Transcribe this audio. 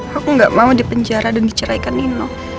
aku gak mau dipenjara dan diceraikan nino